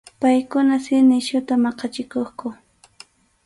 Paykuna si nisyuta maqachikuqku.